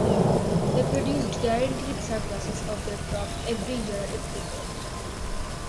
They produced guaranteed surpluses of their crop every year if they could.